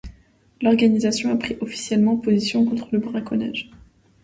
L'organisation a pris officiellement position contre le braconnage.